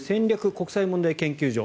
国際問題研究所。